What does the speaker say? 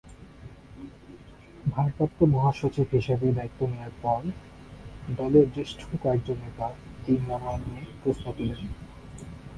ভারপ্রাপ্ত মহাসচিব হিসেবে দায়িত্ব নেওয়ার পর দলের জ্যেষ্ঠ কয়েকজন নেতা এই মনোনয়ন নিয়ে প্রশ্ন তুলেন।